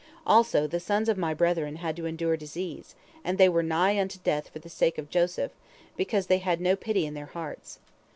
Also the sons of my brethren had to endure disease, and they were nigh unto death for the sake of Joseph, because they had no pity in their hearts.